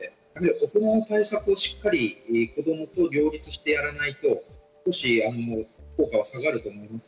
大人の対策をしっかり子供と両立してやらないと効果は下がると思います。